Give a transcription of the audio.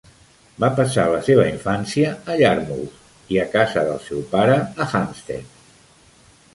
Va passar la seva infància a Yarmouth i a casa del seu pare a Hampstead.